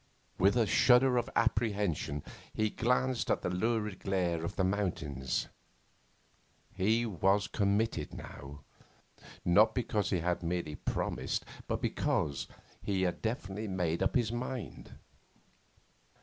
With a shudder of apprehension he glanced at the lurid glare upon the mountains. He was committed now; not because he had merely promised, but because he had definitely made up his mind.